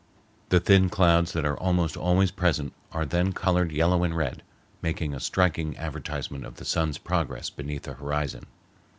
The thin clouds that are almost always present are then colored yellow and red, making a striking advertisement of the sun's progress beneath the horizon.